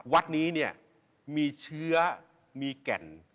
วัดนี้เนี่ยมีเชื้อมีแก่น